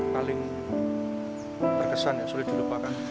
haling terkesan yang sulit dilupakan